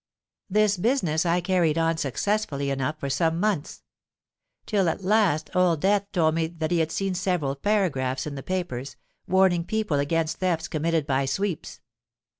"This business I carried on successfully enough for some months; till at last Old Death told me that he had seen several paragraphs in the papers, warning people against thefts committed by sweeps.